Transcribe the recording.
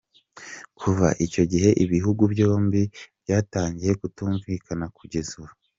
Kuva icyo gihe ibihugu byombi byatangiye kutumvikana kugeza ubu.